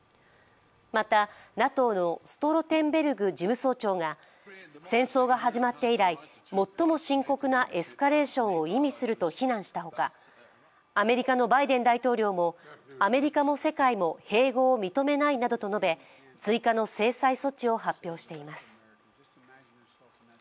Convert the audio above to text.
また、ＮＡＴＯのストロテンベルグ事務総長が戦争が始まって以来、最も深刻なエスカレーションを意味すると非難したほかアメリカのバイデン大統領も、アメリカも世界も併合を認めないなどと述べ追加の制裁措置を発表しています。